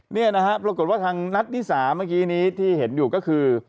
นี่นะฮะปรากฏว่าทางนัดที่๓เมื่อกี้นี้ที่เห็นอยู่ก็คือ